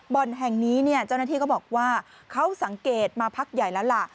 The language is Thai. บ่อนแห่งนี้เนี่ยเจ้าหน้าที่ก็บอกว่าเขาสังเกตมาพักใหญ่แล้วล่ะ